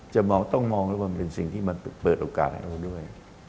ต้องมองแล้วมันเป็นสิ่งที่มันเปิดโอกาสให้เราด้วย